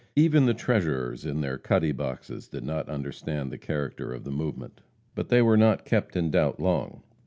Even the treasurers in their "cuddy boxes" did not comprehend the character of the movement. But they were not kept in doubt long.